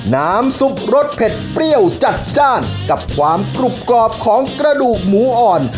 น้ำซุปรสเผ็ดเปรี้ยวจัดจ้านกับความกรุบกรอบของกระดูกหมูอ่อน